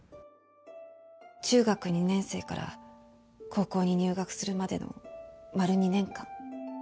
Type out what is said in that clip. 中学２年生から高校に入学するまでの丸２年間。